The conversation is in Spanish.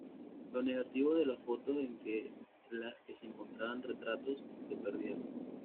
Los negativos de las fotos en que las que se encontraban retratos, se perdieron.